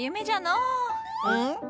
うん？